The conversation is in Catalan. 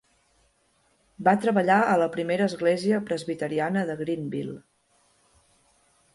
Va treballar a la primera església presbiteriana de Greenville.